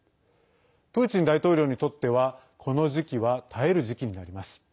プーチン大統領にとってはこの時期は耐える時期になります。